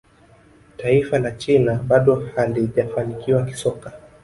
taifa la china bado halijafanikiwa kisoka